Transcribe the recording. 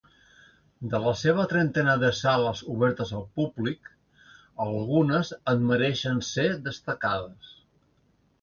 De la seva trentena de sales obertes al públic, algunes en mereixen ser destacades.